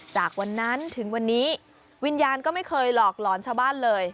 จากวันนั้นถึงวันนี้วิญญาณก็ไม่เคยหลอกหลอนชาวบ้านเลย